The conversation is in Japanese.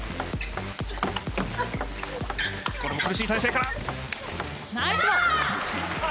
これも苦しい体勢から！